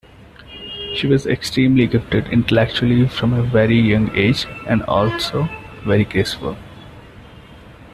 She was extremely gifted intellectually from a very young age and also very graceful.